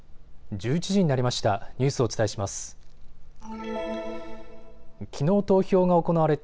１１時になりました。